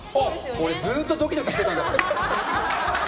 俺ずっとドキドキしてたもん。